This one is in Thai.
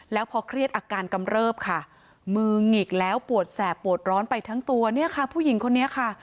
แล้วพอเครียดอาการกำเริบค่ะมือหงิกแล้วปวดแสบปวดร้อนไปทั้งตัวเนี่ยค่ะผู้หญิงคนนี้ค่ะ